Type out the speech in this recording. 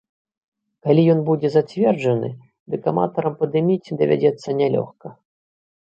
Калі ён будзе зацверджаны, дык аматарам падыміць давядзецца нялёгка.